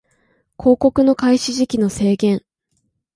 広告の開始時期の制限